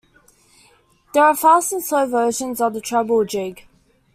There are fast and slow versions of the treble jig.